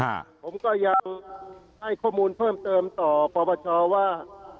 ผมก็ยังให้ข้อมูลเพิ่มเติมต่อปปชว่า